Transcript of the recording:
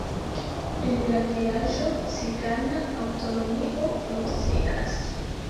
En la vilaĝo cigana aŭtonomio funkcias.